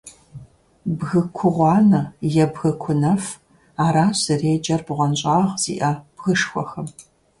«Бгы кугъуанэ» е «бгы кунэф». Аращ зэреджэр бгъуэнщIагъ зиIэ бгышхуэхэм.